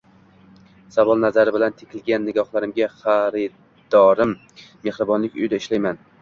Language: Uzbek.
Savol nazari bilan tikilgan nigohlarimga xaridorim Mehribonlik uyida ishlayman